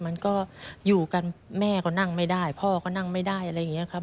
มันก็อยู่กันแม่ก็นั่งไม่ได้พ่อก็นั่งไม่ได้อะไรอย่างนี้ครับ